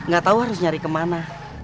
gak tau harus nyari kemana